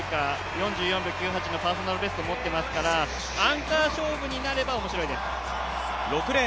４４秒９８のパーソナルベスト持っていますからアンカー勝負になると楽しみです。